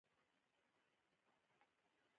حمید لودي څخه وروسته نصر پاچاهي ته رسېدلى دﺉ.